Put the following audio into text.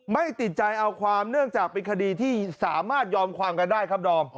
ไม่ติดใจเอาความเนื่องจากเป็นคดีที่สามารถยอมความกันได้ครับดอม